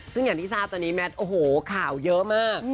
ซึ่งอย่างที่ทราบตอนนี้แมทโอ้โหข่าวเยอะมาก